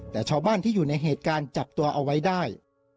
แต่ชาวบ้านที่อยู่ในเหตุการณ์จับตัวเอาไว้ได้